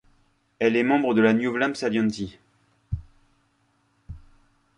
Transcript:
Elle est membre de la Nieuw-Vlaamse Alliantie.